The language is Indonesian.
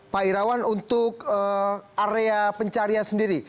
pak irawan untuk area pencarian sendiri